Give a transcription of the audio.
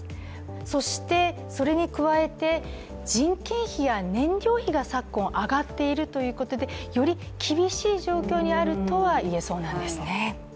そしてそれに加えて、人件費や燃料費が昨今、上がっているということでより厳しい状況にあるとは言えそうなんですね